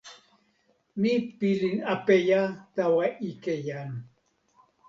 mi pilin apeja tawa ike Jan.